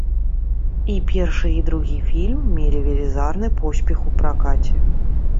І першы, і другі фільм мелі велізарны поспех у пракаце.